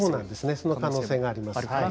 その可能性がありますね。